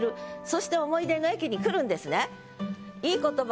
そして思い出の駅に来るんですね。